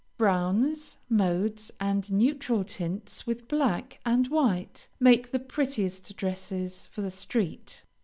Browns, modes, and neutral tints, with black and white, make the prettiest dresses for the street.